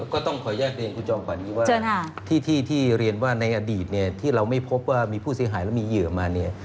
ก็ต้องขออนุญาตเรียนคุณจอมขวัญนี้ว่าที่เรียนว่าในอดีตเนี่ยที่เราไม่พบว่ามีผู้เสียหายแล้วมีเหยื่อมาเนี่ย